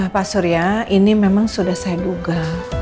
pak surya ini memang sudah saya duga